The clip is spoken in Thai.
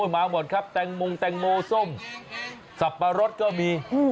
มาก่อนครับแตงมงแตงโมส้มสับปะรสก็มี